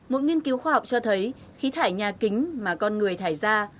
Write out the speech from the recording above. một nghiên cứu khoa học cho thấy khí thải nhà kính mà con người thải ra